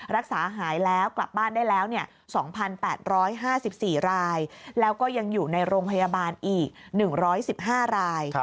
รักษาหายแล้วกลับบ้านได้แล้ว๒๘๕๔รายแล้วก็ยังอยู่ในโรงพยาบาลอีก๑๑๕ราย